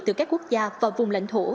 từ các quốc gia và vùng lãnh thổ